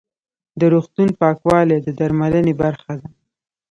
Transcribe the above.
د روغتون پاکوالی د درملنې برخه ده.